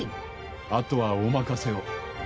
あとはお任せを。